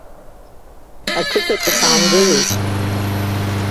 Ақыҭаҿы саангылеит.